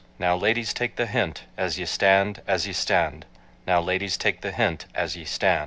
Now, ladies, take the hint, As ye stand, as ye stand, Now, ladies, take the hint, As ye stand.